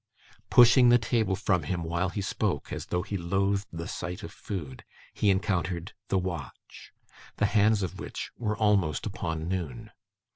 Pushing the table from him while he spoke, as though he loathed the sight of food, he encountered the watch: the hands of which were almost upon noon.